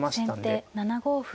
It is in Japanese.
先手７五歩。